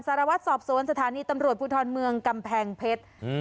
สารวัตรสอบสวนสถานีตำรวจภูทรเมืองกำแพงเพชรอืม